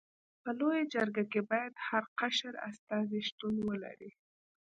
په لويه جرګه کي باید هر قشر استازي شتون ولري.